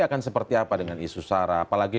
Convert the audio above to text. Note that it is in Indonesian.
akan seperti apa dengan isu sarah apalagi